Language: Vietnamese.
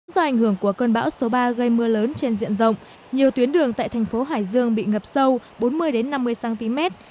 do ảnh hưởng của cơn bão số ba gây mưa lớn trên diện rộng nhiều tuyến đường tại thành phố hải dương bị ngập sâu bốn mươi năm mươi cm